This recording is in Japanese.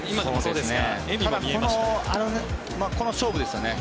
ただこの勝負ですよね。